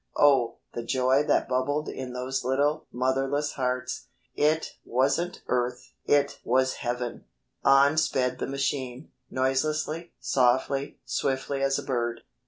Oh, the joy that bubbled in those little, motherless hearts. It wasn't earth it was heaven. On sped the machine, noiselessly, softly, swiftly as a bird.